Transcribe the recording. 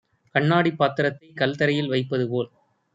கண்ணாடிப் பாத்திரத்தைக் கல்தரையில் வைப்பதுபோல்